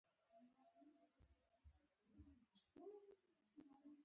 دلته مفت شراب نه موندل کېږي چې د چا زړه ترې ونشي